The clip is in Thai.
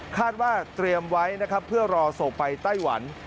คาดว่าเตรียมไว้นะครับเพื่อรอส่งไปไต้หวัน